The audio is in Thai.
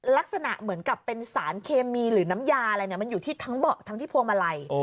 ลักษณะเหมือนกับเป็นสารเคมีหรือน้ำยาอะไรมันอยู่ที่ทั้งเบาะทั้งที่พวงมาลัย